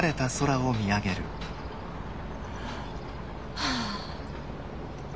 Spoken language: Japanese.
はあ。